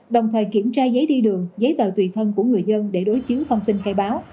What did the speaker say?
đồng thời kiểm tra giấy đi đường giấy tờ tùy thân của người dân để đối chiếu thông tin khai báo